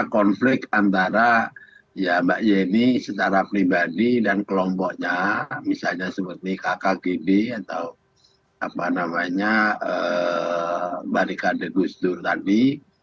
konflik antara mbak yeni secara pribadi dan kelompoknya misalnya seperti kakak gidi atau barikade gus dur tadi